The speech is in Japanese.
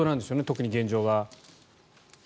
特に現状は。